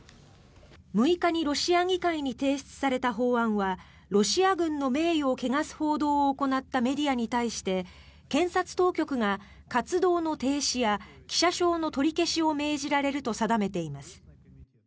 ６日にロシア議会に提出された法案はロシア軍の名誉を汚す報道を行ったメディアに対して検察当局が活動の停止や記者証の取り消しを命じられると定めています。